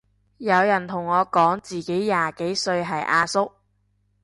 有人同我講自己廿幾歲係阿叔